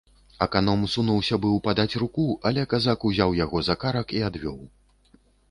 Аканом сунуўся быў падаць руку, але казак узяў яго за карак і адвёў.